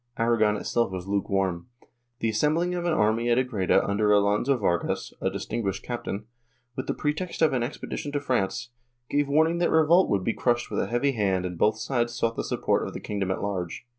Aragon itself was lukewarm. The assembling of an army at Agreda under Alonso Vargas, a distinguished captain, with the pretext of an expedition to France, gave warning that revolt would be crushed with a heavy hand and both sides sought the support of the kingdom at large.